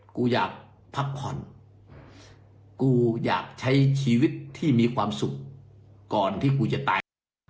กูอยากพักผ่อนกูอยากใช้ชีวิตที่มีความสุขก่อนที่กูจะตาย